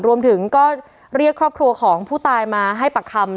รวมถึงก็เรียกครอบครัวของผู้ตายมาให้ปากคำ